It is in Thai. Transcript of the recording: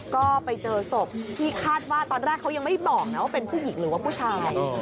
ก็ไปเจอศพที่คาดว่าตอนแรกเขายังไม่บอกนะว่าเป็นผู้หญิงหรือว่าผู้ชาย